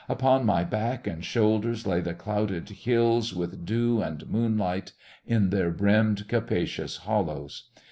Upon my back and shoulders lay the clouded hills with dew and moonlight in their brimmed, capacious hollows.